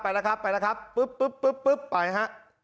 ไปแล้วครับไปแล้วครับปุ๊บปุ๊บไปฮะ